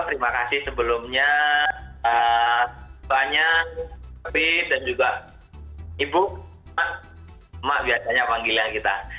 terima kasih sebelumnya semuanya tapi dan juga ibu mak biasanya panggil yang kita